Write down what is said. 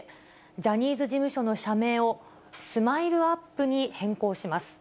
ジャニーズ事務所の社名を、スマイルアップに変更します。